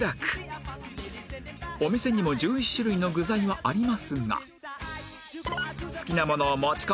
お店にも１１種類の具材はありますが